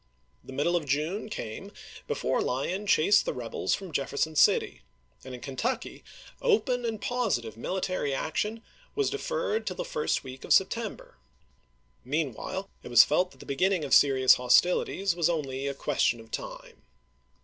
The middle of June came before Lyon chased the rebels from Jefferson City, and in Kentucky open and positive mihtary action was deferred till the first week of September. Meanwhile it was felt that the beginning of serious hostilities was only a question of time.